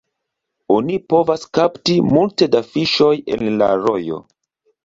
Oni povas kapti multe da fiŝoj en la rojo.